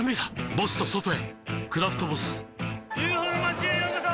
ボスと外へ「クラフトボス」ＵＦＯの町へようこそ！